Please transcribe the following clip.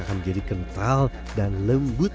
akan menjadi kental dan lembut